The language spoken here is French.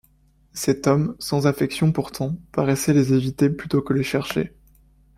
Cet homme, sans affectation pourtant, paraissait les éviter plutôt que les chercher.